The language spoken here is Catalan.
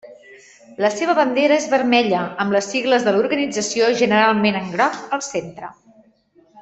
La seva bandera és vermella amb les sigles de l'organització generalment en groc al centre.